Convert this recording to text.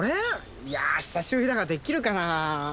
いや久しぶりだからできるかな。